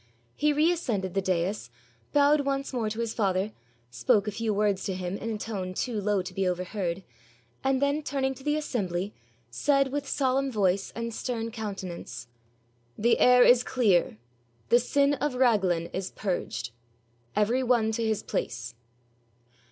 He reascended the dais, bowed once more to his father, spoke a few words to him in a tone too low to be overheard, and then turning to the assembly, said with solemn voice and stern countenance: 'The air is clear. The sin of Raglan is purged. Every one to his place.'